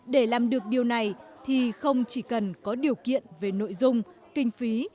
để làm được điều này thì không chỉ cần có điều kiện về nội dung kinh phí